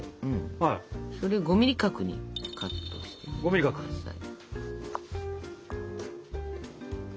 それ５ｍｍ角にカットしてください。